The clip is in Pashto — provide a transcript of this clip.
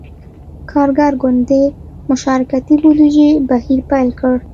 کارګر ګوند د »مشارکتي بودیجې« بهیر پیل کړ.